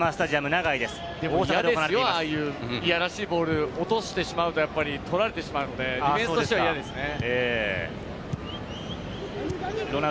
嫌ですよ、ああいうボールを落としてしまうと取られてしまうので、ディフェンスとしては嫌ですね。